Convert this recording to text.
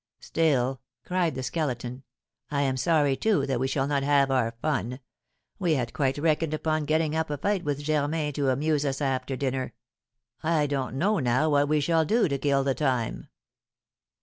"Still," cried the Skeleton, "I am sorry, too, that we shall not have our fun; we had quite reckoned upon getting up a fight with Germain to amuse us after dinner. I don't know now what we shall do to kill the time."